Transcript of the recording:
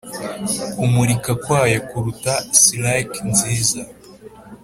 kumurika kwayo kuruta silike nziza ,